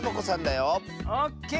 オッケー！